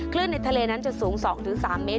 ในทะเลนั้นจะสูง๒๓เมตร